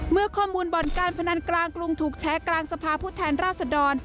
เมื่อข้อมูลบ่อนการพนันกลางกรุงถูกแชร์กลางสภาพผู้แทนราชดร